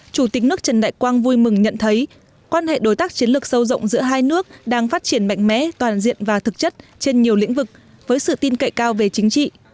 chủ tịch nước trần đại quang vui mừng nhận thấy quan hệ đối tác chiến lược sâu rộng giữa hai nước đang phát triển mạnh mẽ toàn diện và thực chất trên nhiều lĩnh vực với sự tin cậy cao về chính trị